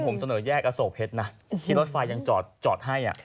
ผมเสนอแยกอโศกเพชรนะที่รถไฟยังจอดให้